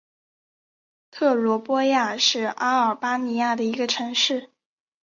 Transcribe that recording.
特罗波亚是阿尔巴尼亚的一个城市。